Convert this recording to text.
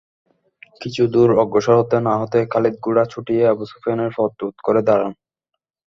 কিছুদূর অগ্রসর হতে না হতেই খালিদ ঘোড়া ছুটিয়ে আবু সুফিয়ানের পথ রোধ করে দাঁড়ান।